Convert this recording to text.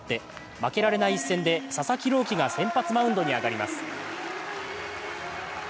負けられない一戦で佐々木朗希が先発マウンドに上がります。